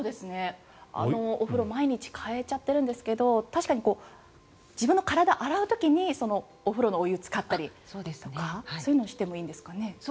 お風呂毎日替えちゃってるんですけど自分の体を洗う時にお風呂のお湯を使ったりとかそういうのをしてもいいんですかね。